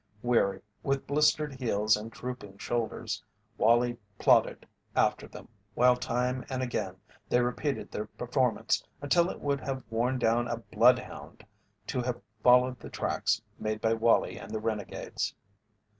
Weary, with blistered heels and drooping shoulders, Wallie plodded after them while time and again they repeated the performance until it would have worn down a bloodhound to have followed the tracks made by Wallie and the renegades.